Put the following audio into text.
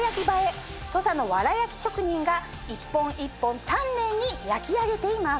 土佐の藁焼き職人が一本一本丹念に焼き上げています。